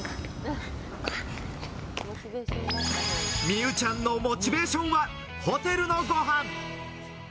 美羽ちゃんのモチベーションはホテルのごはん。